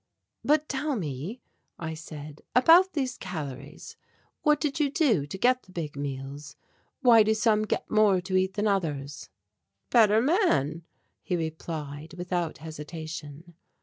"But tell me," I said, "about these calories. What did you do to get the big meals? Why do some get more to eat than others?" "Better man," he replied without hesitation.